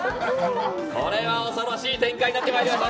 これは恐ろしい展開になってまいりました。